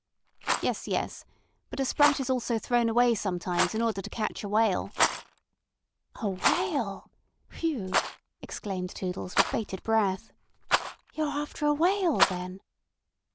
"Yes. Yes. But a sprat is also thrown away sometimes in order to catch a whale." "A whale. Phew!" exclaimed Toodles, with bated breath. "You're after a whale, then?"